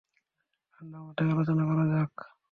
ঠান্ডা মাথায় আলোচনা করা যাক।